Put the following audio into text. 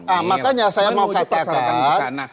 ah makanya saya mau katakan